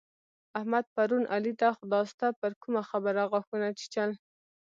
احمد پرون علي ته خداسته پر کومه خبره غاښونه چيچل.